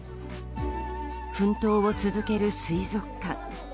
奮闘を続ける水族館。